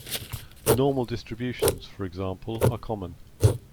Normal distributions, for example, are common.